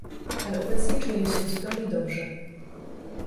"Ale obecnie czuję się zupełnie dobrze."